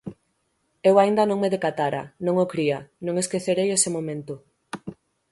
Eu aínda non me decatara, non o cría, non esquecerei ese momento.